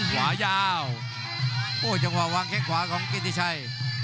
ขวายาวโอ้จังหวะวางแข้งขวาของกิติชัย